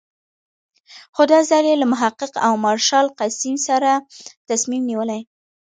خو دا ځل یې له محقق او مارشال قسیم سره تصمیم نیولی.